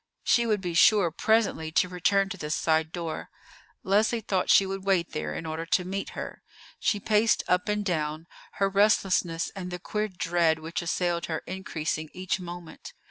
She would be sure presently to return to this side door. Leslie thought she would wait there in order to meet her. She paced up and down, her restlessness and the queer dread which assailed her increasing each moment.